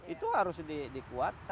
itu harus dikuatkan